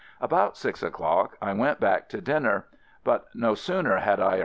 About six o'clock I went back to dinner, but no sooner had I ar Tl^ig